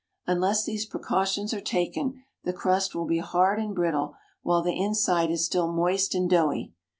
Unless these precautions are taken, the crust will be hard and brittle, while the inside is still moist and doughy.